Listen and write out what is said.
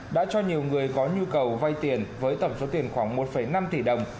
đã cho nhiều người có nhu cầu vay tiền với tổng số tiền khoảng một năm tỷ đồng